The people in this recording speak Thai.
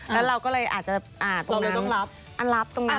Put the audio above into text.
แล้วเราก็เลยอาจจะตรงนั้นอันลับตรงนั้น